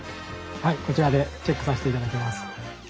はいこちらでチェックさせて頂きます。